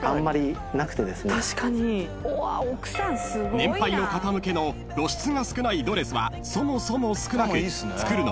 ［年配の方向けの露出が少ないドレスはそもそも少なく作るのも割高］